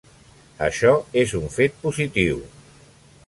Això és un fet positiu.